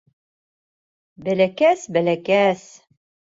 — Бәләкәс, бәләкәс.